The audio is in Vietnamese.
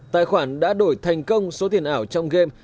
tài khoản đã đổi thành công số tiền ảo trong game